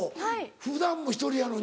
普段も１人やのに。